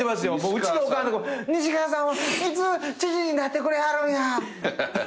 うちのおかんとか「西川さんはいつ知事になってくれはるんや」